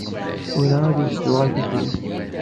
Ur ɛad i s-d-tuɣal tefrit.